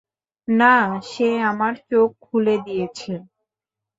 না, সে আমার চোখ খুলে দিয়েছে।